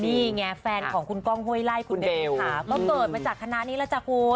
นี่ไงแฟนของคุณก้องเฮ้ยไล่ด์คุณเดบี๊ค่ะมาเกิดมาจากคณะนี้ละจ๊ะคุณ